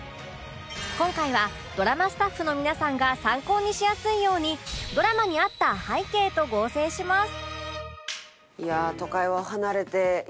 今回はドラマスタッフの皆さんが参考にしやすいようにドラマに合った背景と合成します